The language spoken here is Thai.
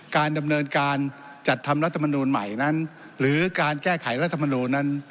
การดำเนินการจัดทำรัฐมนูลใหม่นั้นหรือการแก้ไขรัฐมนูลนั้น